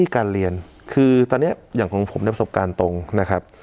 การเรียนคือตอนนี้อย่างของผมเนี่ยประสบการณ์ตรงนะครับ